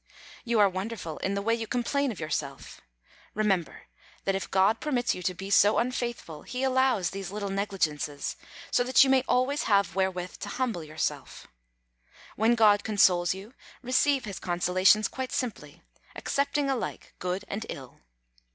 You are wonderful in the way you complain of yourself. Remember, that if God permits you to be so unfaithful, He allows these little negligences so that you may always have wherewith to humble yourself. When God consoles you receive His consolations quite simply, accepting alike good and ill.